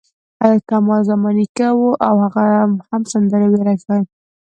کمال زما نیکه و او هغه هم سندرې ویلای شوې.